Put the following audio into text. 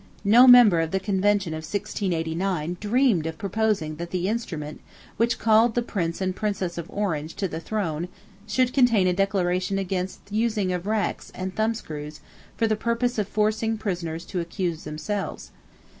No member of the Convention of 1689 dreamed of proposing that the instrument which called the Prince and Princess of Orange to the throne should contain a declaration against the using of racks and thumbscrews for the purpose of forcing prisoners to accuse themselves.